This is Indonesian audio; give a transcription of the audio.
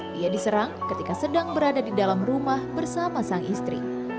dia diserang ketika sedang berada di dalam rumah bersama sang istri